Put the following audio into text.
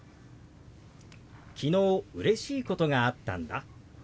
「昨日うれしいことがあったんだ」。